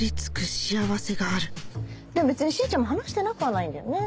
幸せがあるでも別にしーちゃんも話してなくはないんだよね？